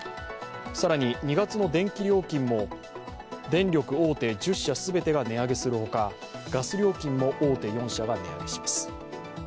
更に２月の電気料金も電力大手１０社すべてが値上げするほかガス料金も大手４社が値上げします